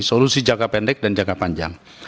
solusi jangka pendek dan jangka panjang